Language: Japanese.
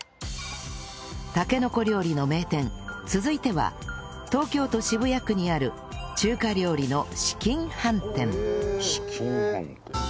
たけのこ料理の名店続いては東京都渋谷区にある中華料理の紫金飯店紫金飯店。